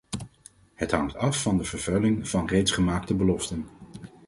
Het hangt af van de vervulling van reeds gemaakte beloften.